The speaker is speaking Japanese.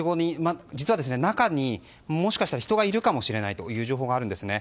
実は中にもしかしたら人がいるかもしれないという情報があるんですね。